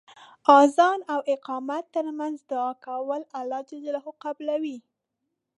اذان او اقامت تر منځ دعا کول الله ج قبلوی .